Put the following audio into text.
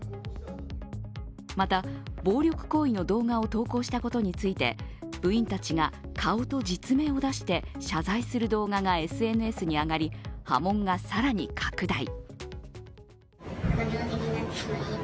また、暴力行為の動画を投稿したことについて部員たちが顔と実名を出して謝罪する動画がＳＮＳに上がり、波紋が更に拡大。